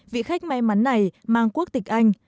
vị khách may mắn này mang quốc tịch anh